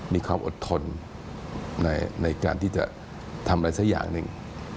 มีความอดทนในการที่จะทำอะไรสักอย่างหนึ่ง